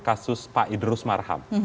kasus pak idrus marham